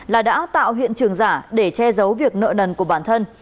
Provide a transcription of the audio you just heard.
là đã tạo hiện trường giả để che giấu việc nợ nần của bản thân